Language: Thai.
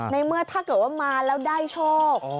ในเมื่อถ้าเกิดว่ามาแล้วได้โชค